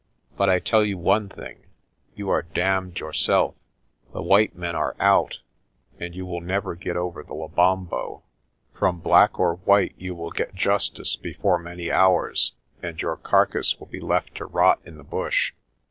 But I tell you one thing you are damned yourself. The white men are out, and you will never get over the Lebombo. From black or white you will get justice before many hours and your car cass will be left to rot in the bush.